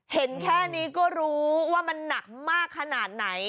เห็นแค่นี้ก็รู้ว่ามันหนักมากขนาดไหน